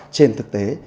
trên thực tế